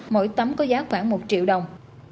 mỗi tấm có giá khoảng một triệu đồng